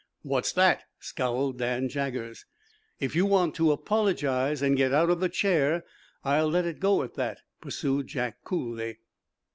"What's that?" scowled Dan Jaggers. "If you want to apologize, and get out of the chair, I'll let it go at that," pursued Jack, coolly.